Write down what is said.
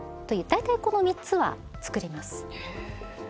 だいたいこの３つは作ります。